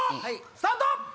スタート！